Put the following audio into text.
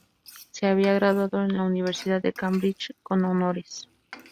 Se había graduado en la Universidad de Cambridge con honores.